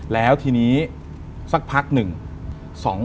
แล้วทีนี้สักพักหนึ่ง